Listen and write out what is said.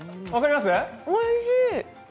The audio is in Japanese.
おいしい！